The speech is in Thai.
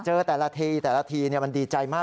เจอแต่ละทีแต่ละทีมันดีใจมาก